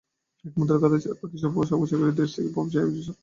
একমাত্র কাতার ছাড়া বাকি সব উপসাগরীয় দেশ থেকেই প্রবাসী আয় হ্রাস পেয়েছে।